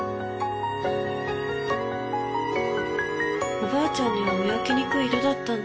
おばあちゃんには見分けにくい色だったんだ。